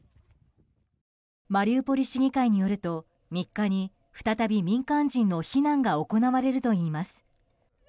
マリウポリ市議会によると３日に、再び民間人の避難が行われるといいます。